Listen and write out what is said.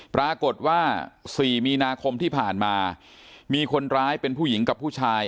ปรากฏว่า๔มีนาคมที่ผ่านมามีคนร้ายเป็นผู้หญิงกับผู้ชาย